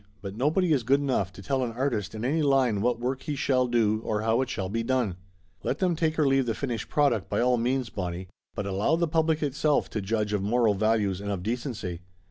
"But nobody is good enough to tell an artist in any line what work he shall do or how it shall be done. Let them take or leave the finished product, by all means, Bonnie. But allow the public itself to judge of moral values, and of decency!